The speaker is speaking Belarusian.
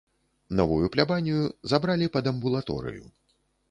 Новую плябанію забралі пад амбулаторыю.